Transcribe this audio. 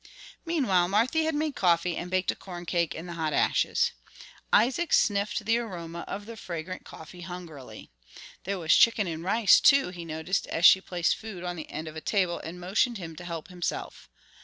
Meanwhile Marthy had made coffee and baked a corncake in the hot ashes. Isaac sniffed the aroma of the fragrant coffee hungrily. There was chicken and rice, too, he noticed as she placed food on the end of a table and motioned him to help himself.